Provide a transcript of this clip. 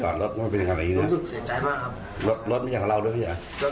อยากขอโทษเพื่อนด้วยครับขอโทษที่ผมทำไป